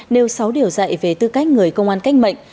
nêu sáu điều dạy về tư cách người công an cách mệnh